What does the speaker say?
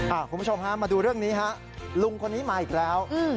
คุณผู้ชมฮะมาดูเรื่องนี้ฮะลุงคนนี้มาอีกแล้ว